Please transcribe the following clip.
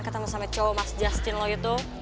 ketemu sama cowok mas justin lo gitu